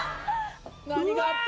何があった？